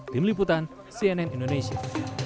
tim liputan cnn indonesia